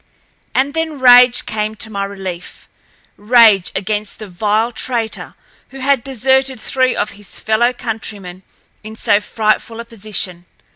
And then rage came to my relief—rage against the vile traitor who had deserted three of his fellow countrymen in so frightful a position.